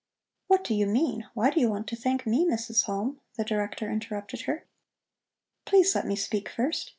"What do you mean? Why do you want to thank me, Mrs. Halm?" the Director interrupted her. "Please let me speak first!